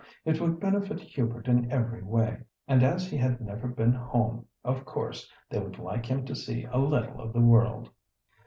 It would benefit Hubert in every way, and as he had never been 'home,' of course they would like him to see a little of the world."